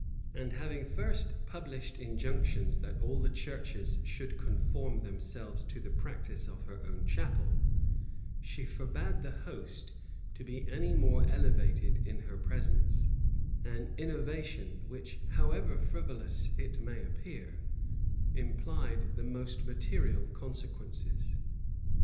And having first published injunctions, that all the churches should conform themselves to the practice of her own chapel, she forbade the host to be any more elevated in her presence; an innovation which, however frivolous it may appear, implied the most material consequences.